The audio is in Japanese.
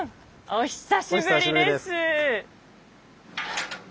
お久しぶりです。